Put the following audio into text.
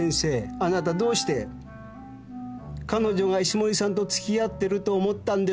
あなたどうして彼女が石森さんとつきあってると思ったんですか？